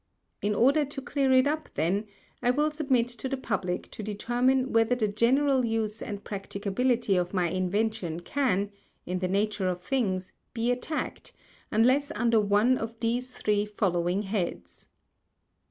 In order to clear it up then, I will submit to the Public to determine whether the general Use and Practicability of my Invention can, in the Nature of Things, be attacked, unless under one of these three following Heads: 1.